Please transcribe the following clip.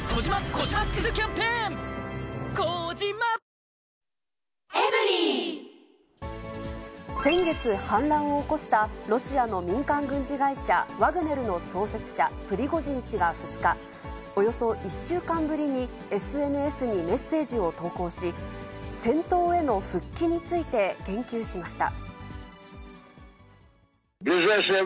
サントリー先月反乱を起こしたロシアの民間軍事会社、ワグネルの創設者、プリゴジン氏が２日、およそ１週間ぶりにＳＮＳにメッセージを投稿し、戦闘への復帰について言及しました。